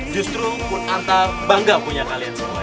justru pun'anta bangga punya kalian semua ya